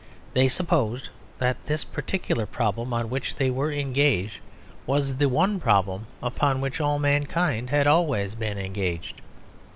They supposed that this particular problem on which they were engaged was the one problem upon which all mankind had always been engaged.